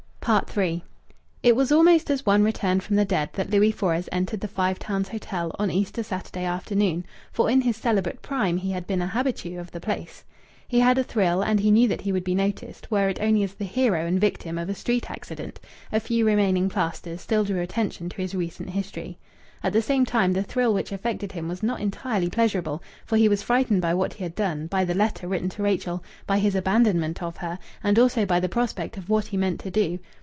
III It was almost as one returned from the dead that Louis Fores entered the Five Towns Hotel on Easter Saturday afternoon, for in his celibate prime he had been a habitué of the place. He had a thrill; and he knew that he would be noticed, were it only as the hero and victim of a street accident; a few remaining plasters still drew attention to his recent history. At the same time, the thrill which affected him was not entirely pleasurable, for he was frightened by what he had done: by the letter written to Rachel, by his abandonment of her, and also by the prospect of what he meant to do.